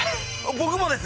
僕もです！